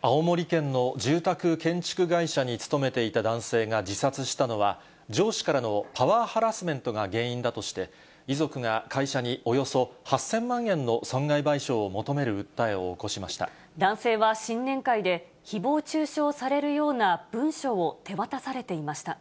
青森県の住宅建築会社に勤めていた男性が自殺したのは、上司からのパワーハラスメントが原因だとして、遺族が会社におよそ８０００万円の損害賠償を求める訴えを起こし男性は新年会でひぼう中傷されるような文書を手渡されていました。